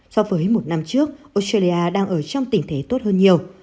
so với một năm trước australia đang ở trong tình thế tốt hơn nhiều